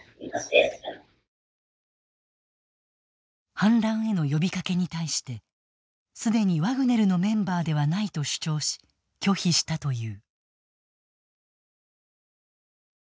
反乱への呼びかけに対してすでにワグネルのメンバーではないと主張し拒否したという。